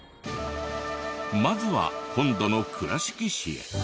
まずは本土の倉敷市へ。